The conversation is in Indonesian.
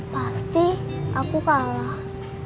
pasti aku kalah